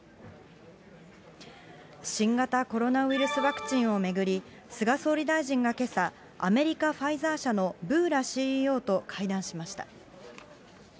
新型コロナウイルスワクチンを巡り、菅総理大臣がけさ、アメリカファイザー社のブーラＣＥＯと会談しました。